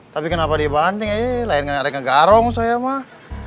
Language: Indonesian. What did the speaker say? tapi kenapa dibanting aja lain gak ada yang ngegarong saya mah